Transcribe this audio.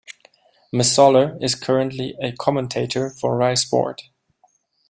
Mazzola is currently a commentator for Rai Sport.